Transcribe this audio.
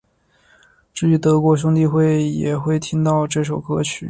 至于德国兄弟会也会听到这首歌曲。